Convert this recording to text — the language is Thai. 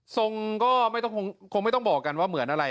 ทรงก็คงไม่ต้องบอกกันว่าเหมือนอะไร